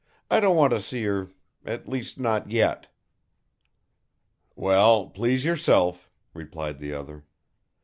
"I don't want to see her at least, not yet." "Well, please yourself," replied the other.